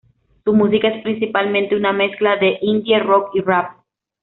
Su música es principalmente una mezcla de Indie Rock y Rap.